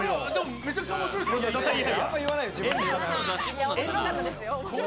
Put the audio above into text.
めちゃくちゃ面白いですよ。